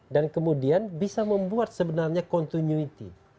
dan kemudian bisa membuat sebenarnya continuity